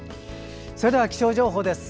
それでは、気象情報です。